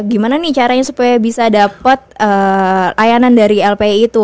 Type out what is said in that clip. gimana nih caranya supaya bisa dapat layanan dari lpi itu